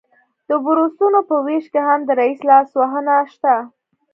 د بورسونو په ویش کې هم د رییس لاسوهنه شته